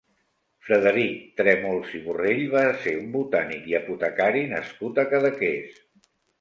Frederic Trèmols i Borrell va ser un botànic i apotecari nascut a Cadaqués.